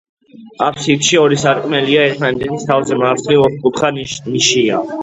აფსიდში ორი სარკმელია ერთმანეთის თავზე, მარცხნივ ოთხკუთხა ნიშია.